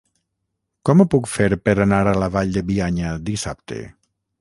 Com ho puc fer per anar a la Vall de Bianya dissabte?